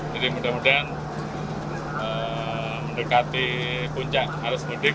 jadi mudah mudahan mendekati puncak harus mudik